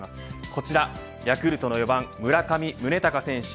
こちらヤクルトの４番、村上宗隆選手。